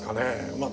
まあ